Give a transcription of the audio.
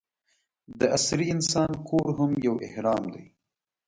د عصري انسان کور هم یو اهرام دی.